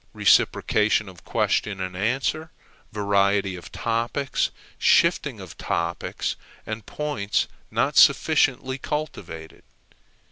Reciprocation of question and answer, variety of topics, shifting of topics, are points not sufficiently cultivated.